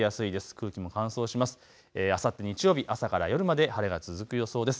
空気も乾燥します。